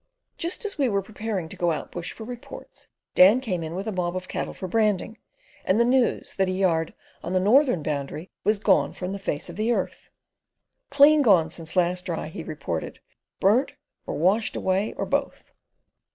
Just as we were preparing to go out bush for reports, Dan came in with a mob of cattle for branding and the news that a yard on the northern boundary was gone from the face of the earth. "Clean gone since last Dry," he reported; "burnt or washed away, or both."